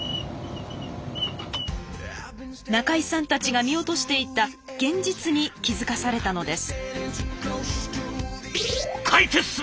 中井さんたちが見落としていた現実に気付かされたのです。